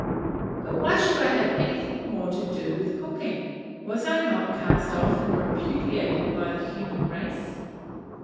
But why should I have anything more to do with cooking? was I not cast off and repudiated by the human race?